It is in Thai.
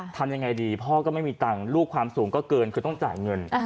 ทำยังไงดีพ่อก็ไม่มีตังค์ลูกความสูงก็เกินคือต้องจ่ายเงิน